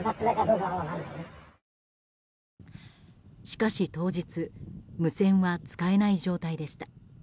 しかし、当日無線は使えない状態でした。